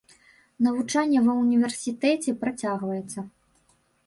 Навучанне ва ўніверсітэце працягваецца.